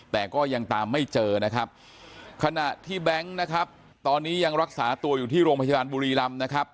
แต่ก็ยังตามไม่เจอนะครับขณะที่แบงค์นะครับตอนนี้ยังรักษาตัวอยู่ที่โรงพยาบาลบุรีรำนะครับ